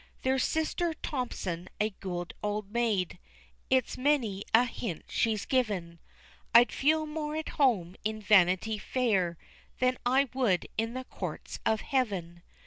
There's sister Thomson, a good old maid, It's many a hint she's given, I'd feel more at home in Vanity Fair Than I would in the courts of heaven.